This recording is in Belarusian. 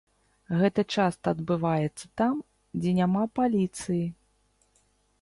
Гэта часта адбываецца там, дзе няма паліцыі.